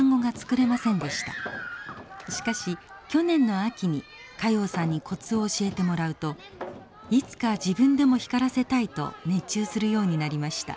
しかし去年の秋に加用さんにコツを教えてもらうといつか自分でも光らせたいと熱中するようになりました。